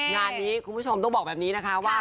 งานนี้คุณผู้ชมต้องบอกแบบนี้นะคะว่า